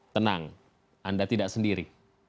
tenang anda tidak sendiri